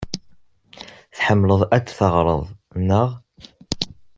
Tḥemmleḍ ad teɣreḍ, naɣ?